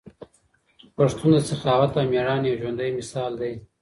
پښتون د سخاوت او ميړانې یو ژوندی مثال دی.